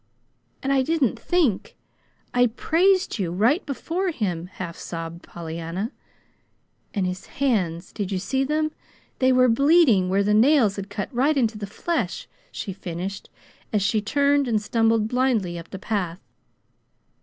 "And I didn't think, and PRAISED you, right before him," half sobbed Pollyanna. "And his hands did you see them? They were BLEEDING where the nails had cut right into the flesh," she finished, as she turned and stumbled blindly up the path.